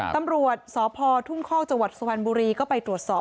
ตำรวจสพทุ่งคอกจังหวัดสุพรรณบุรีก็ไปตรวจสอบ